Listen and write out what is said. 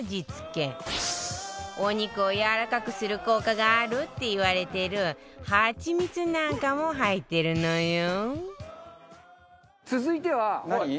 お肉をやわらかくする効果があるっていわれてるハチミツなんかも入ってるのよ